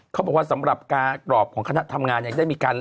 เขาบอกว่าสำหรับการกรอบของคณะทำงานยังได้มีการ